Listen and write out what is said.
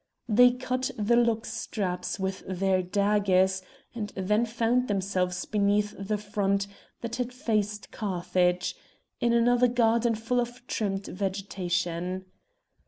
They cut the lock straps with their daggers, and then found themselves beneath the front that faced Carthage, in another garden full of trimmed vegetation.